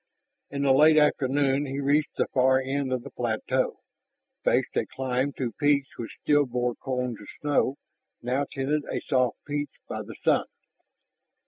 In the late afternoon he reached the far end of the plateau, faced a climb to peaks which still bore cones of snow, now tinted a soft peach by the sun.